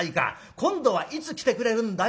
今度はいつ来てくれるんだよ